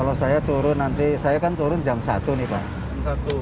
kalau saya turun nanti saya kan turun jam satu nih pak